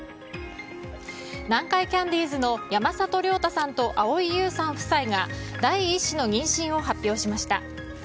南海キャンディーズの山里亮太さんと蒼井優さん夫妻が第１子の妊娠を発表しました。